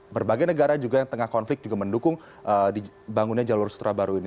berbagai negara juga yang tengah konflik juga mendukung dibangunnya jalur sutra baru ini